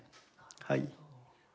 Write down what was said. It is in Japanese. はい。